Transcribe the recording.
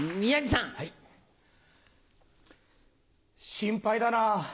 心配だな。